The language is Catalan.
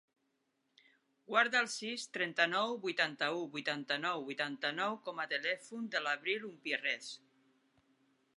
Guarda el sis, trenta-nou, vuitanta-u, vuitanta-nou, vuitanta-nou com a telèfon de l'Abril Umpierrez.